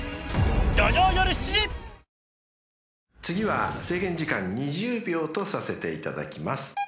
［次は制限時間２０秒とさせていただきます］